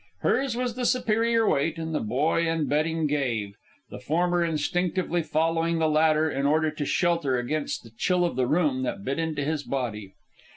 Hers was the superior weight, and the boy and bedding gave, the former instinctively following the latter in order to shelter against the chill of the room that bit into his body.